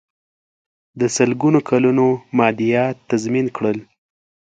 د سلګونو کلونو مادیات تضمین کړل.